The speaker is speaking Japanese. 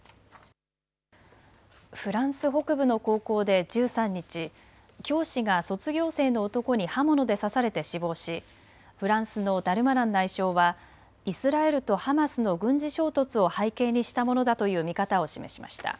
フランス北部の高校で１３日、教師が卒業生の男に刃物で刺されて死亡しフランスのダルマナン内相はイスラエルとハマスの軍事衝突を背景にしたものだという見方を示しました。